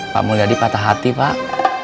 pak mulyadi patah hati pak